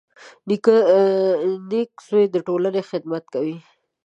• نېک زوی د ټولنې خدمت کوي.